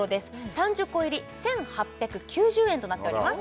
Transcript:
３０個入り１８９０円となっております